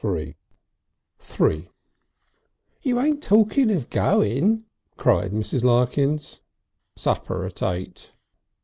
III "You ain't talkin' of goin'!" cried Mrs. Larkins. "Supper at eight."